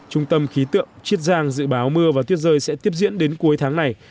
trung tâm khí tượng chiết giang dự báo mưa và tuyết rơi sẽ tiếp diễn đến cuối tháng này